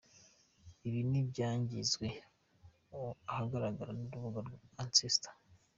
Ibi ni nk’ibyashyizwe ahagaragara n’urubuga Ancestry.